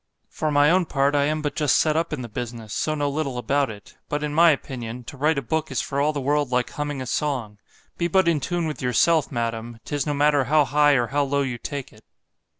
For my own part, I am but just set up in the business, so know little about it—but, in my opinion, to write a book is for all the world like humming a song—be but in tune with yourself, madam, 'tis no matter how high or how low you take it.